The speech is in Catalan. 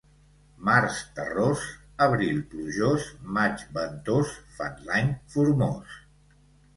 Març terrós, abril plujós, maig ventós, fan l'any formós.